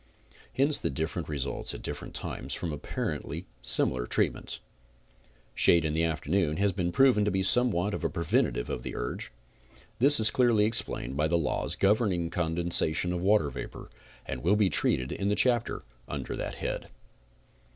Hence the different results at different times from apparently similar treatments. Shade in the afternoon has been proven to be somewhat of a preventive of the urge. This is clearly explained by the laws governing condensation of water vapor, and will be treated in the chapter under that head.